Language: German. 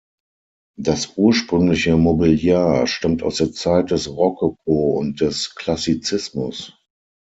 Das ursprüngliche Mobiliar stammt aus der Zeit des Rokoko und des Klassizismus.